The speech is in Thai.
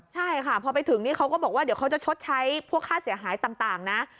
ใช่ค่ะพอไปถึงนี่เขาก็บอกว่าเดี๋ยวเขาจะชดใช้พวกค่าเสียหายต่างนะ